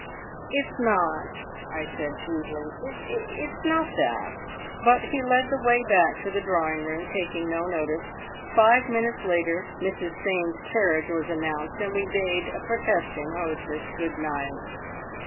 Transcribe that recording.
"It's not" I said feebly "it's not that!" But he led the way back to the drawing room, taking no notice. Five minutes later "Mrs Fane's carriage" was announced, and we bade a protesting hostess good night.